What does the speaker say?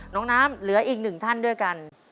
น้องน้ำเหลืออีกหนึ่งท่านด้วยกัน